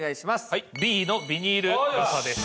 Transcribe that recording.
はいＢのビニール傘です。